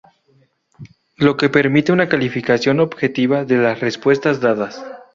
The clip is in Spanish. Lo que permite una calificación objetiva de las respuestas dadas.